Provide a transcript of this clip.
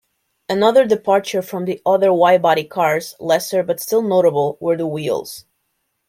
Another departure from the other Y-body cars, lesser but still notable, were the wheels.